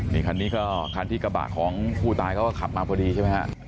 นี่คันนี้ก็คันที่กระบะของผู้ตายเขาก็ขับมาพอดีใช่ไหมฮะ